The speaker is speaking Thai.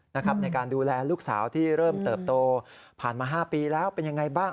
ในการดูแลลูกสาวที่เริ่มเติบโตผ่านมา๕ปีแล้วเป็นยังไงบ้าง